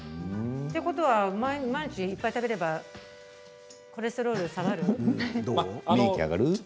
ということは毎日いっぱい食べればコレステロール、下がる？